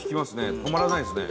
止まらないですね。